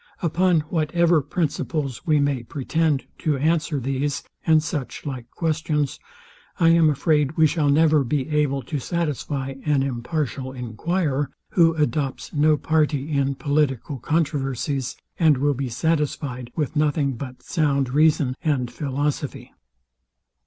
Upon whatever principles we may pretend to answer these and such like questions, I am afraid we shall never be able to satisfy an impartial enquirer, who adopts no party in political controversies, and will be satisfied with nothing but sound reason and philosophy.